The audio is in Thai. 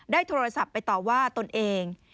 โทรศัพท์ไปต่อว่าตนเอง